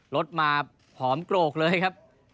รถมาผอมโกรกเลยครับ